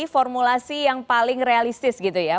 formulasi yang paling realistis gitu ya